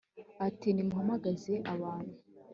ati nimuhamagaze abantu